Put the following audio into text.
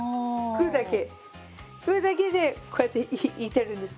グーだけでこうやっていってるんです。